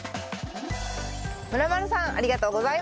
ムラまるさんありがとうございました！